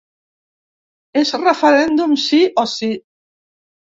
És referèndum sí o sí.